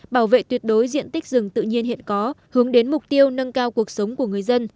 bảo vệ tuyệt đối diện tích rừng tự nhiên hiện có hướng đến mục tiêu nâng cao cuộc sống của người dân